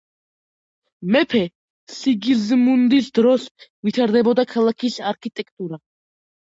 მეფე სიგიზმუნდის დროს ვითარდებოდა ქალაქის არქიტექტურა.